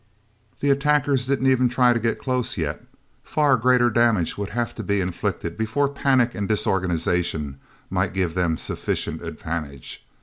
The attackers didn't even try to get close yet. Far greater damage would have to be inflicted, before panic and disorganization might give them sufficient advantage.